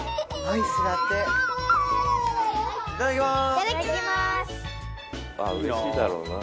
いただきます！